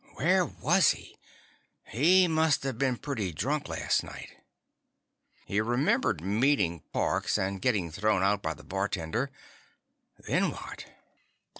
Where was he? He must have been pretty drunk last night. He remembered meeting Parks. And getting thrown out by the bartender. Then what?